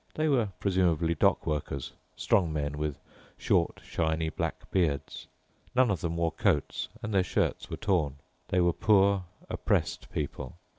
They were presumably dock workers, strong men with short, shiny, black beards. None of them wore coats, and their shirts were torn. They were poor, oppressed people.